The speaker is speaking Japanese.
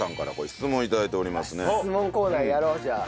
質問コーナーやろうじゃあ。